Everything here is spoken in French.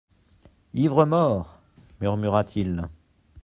Ivre mort ! murmura-t-il.